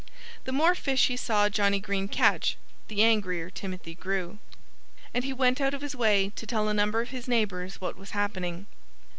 The more fish he saw Johnnie Green catch, the angrier Timothy grew. And he went out of his way to tell a number of his neighbors what was happening.